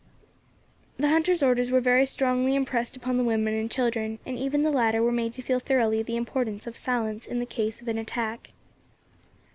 The hunter's orders were very strongly impressed upon the women and children, and even the latter were made to feel thoroughly the importance of silence in case of an attack.